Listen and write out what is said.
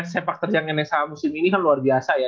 sepak terjang nsh musim ini kan luar biasa ya